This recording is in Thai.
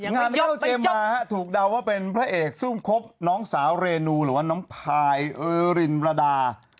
งานเล่าเจมมาถูกเดาว่าเป็นพระเอกซุ่มคบน้องสาวเรนูหรือว่าน้องพายเออรินรดา